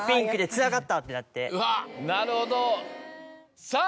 なるほどさぁ。